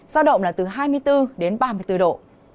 giao động là từ hai mươi bốn đến ba mươi bốn độ